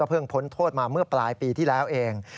เพิ่งพ้นโทษมาเมื่อปลายปีที่แล้วเอง